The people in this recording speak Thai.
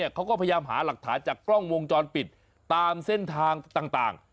เขาก็พยายามหาหลักฐานจากกล้องวงจรปิดตามเส้นทางต่าง